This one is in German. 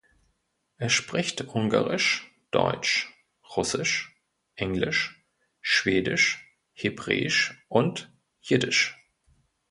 Er spricht Ungarisch, Deutsch, Russisch, Englisch, Schwedisch, Hebräisch und Jiddisch.